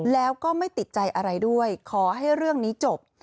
แล้วก็ไม่ติดใจอะไรด้วยขอให้เรื่องนี้จบ